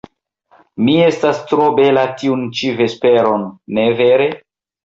Mi estas tro bela tiun ĉi vesperon, ne vere?